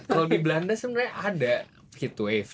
kalau di belanda sebenarnya ada heat wave